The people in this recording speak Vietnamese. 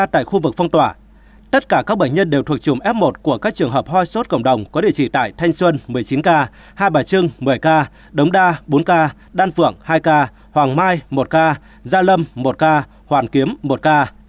tất cả các bệnh nhân đều thuộc chùm f một của các trường hợp hoi sốt cộng đồng có địa chỉ tại thanh xuân một mươi chín k hai bà trưng một mươi k đống đa bốn k đan phượng hai k hoàng mai một k gia lâm một k hoàn kiếm một k